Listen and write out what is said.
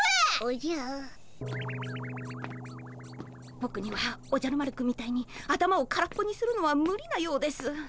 ぼくにはおじゃる丸くんみたいに頭を空っぽにするのはむりなようです。